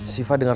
sifah ini pagan